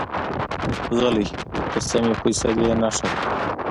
غلی، د سمې فیصلې نښه ده.